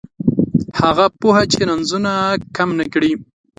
هغه پوهه چې رنځونه کم نه کړي